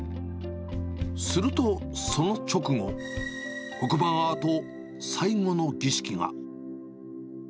すると、その直後、黒板アート最後の儀式が。